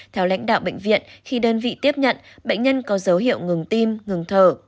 theo lãnh đạo bệnh viện khi đơn vị tiếp nhận bệnh nhân có dấu hiệu ngừng tim ngừng thở